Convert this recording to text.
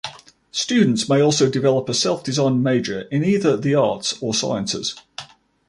Students may also develop a self-designed major in either the arts or sciences.